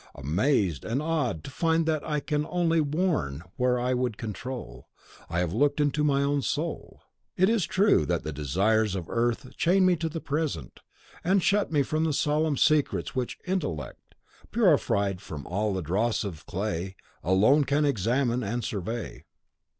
Amazed and awed to find that I can only warn where I would control, I have looked into my own soul. It is true that the desires of earth chain me to the present, and shut me from the solemn secrets which Intellect, purified from all the dross of the clay, alone can examine and survey.